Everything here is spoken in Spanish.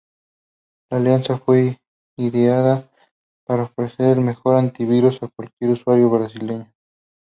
La alianza fue ideada para ofrecer el mejor antivirus a cualquier usuario brasileño.